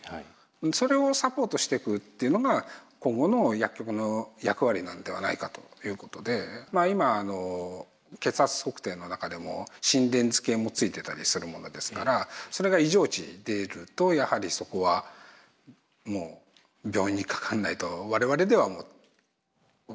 それをサポートしていくっていうのが今後の薬局の役割なんではないかということで今あの血圧測定の中でも心電図計も付いてたりするものですからそれが異常値出るとやはりそこはもう病院にかかんないと我々ではもう分かんない。